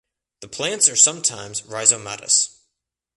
The plants are sometimes rhizomatous.